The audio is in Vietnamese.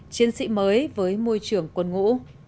chiến sĩ mới với môi trường quân ngũ